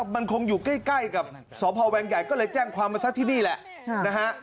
มันคงอยู่ใกล้กับสพแวงใหญ่ก็เลยแจ้งความมาซะที่นี่แหละนะฮะ